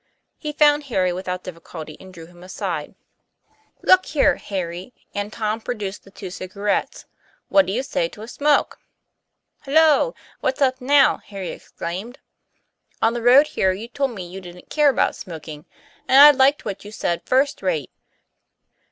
He found Harry without difficulty, and drew him aside. 84 TOM PLAYFAIR. "Look here, Harry," and Tom produced the two cigarettes, "what do you say to a smoke?" ' Halloa ! what's up now ?" Harry exclaimed. " On the road here you told me you didn't care about smoking, and I liked what you said first rate."